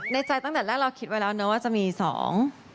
ในใจตั้งแต่แรกเราคิดไว้แล้วเนอะว่าจะมีสอง